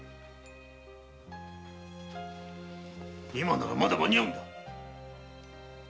今ならまだ間に合う。